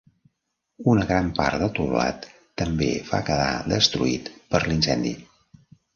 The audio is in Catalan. Una gran part del teulat també va quedar destruït per l'incendi.